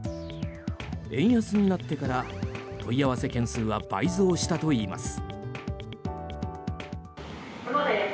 円安になってから問い合わせ件数は倍増したといいます。